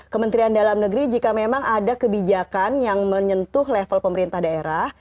kementerian dalam negeri jika memang ada kebijakan yang menyentuh level pemerintah daerah